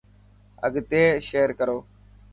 اگتي شيئر ڪرو.